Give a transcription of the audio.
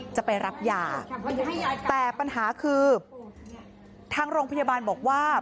จะไปรับยาแต่ปัญหาคือทางโรงพยาบาลบอกว่า